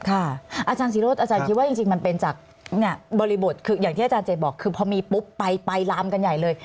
อาจารย์ศิโรธอาจารย์คิดว่าจริงมันเป็นจากบริบทคืออย่างที่อาจารย์เจบอกคือพอมีปุ๊บไปลามกันใหญ่เลย